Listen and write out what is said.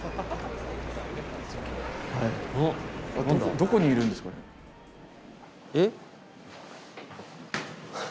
どこにいるんですかね？は。